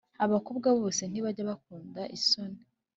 Abakobwa bose ntibajya bakunda isoni